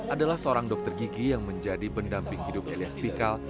adalah seorang dokter gigi yang menjadi pendamping hidup elias pikal